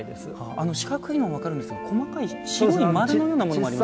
あの四角いのは分かるんですけど細かい白い丸のようなものもありますよね。